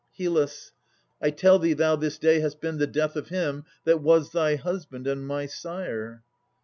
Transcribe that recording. HYL. I tell thee thou this day hast been the death Of him that was thy husband and my sire.